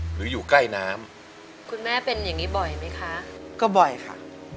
หรืออยู่ใกล้น้ำ